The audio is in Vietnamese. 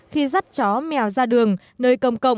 khi dắt chó mèo ra đường nơi công cộng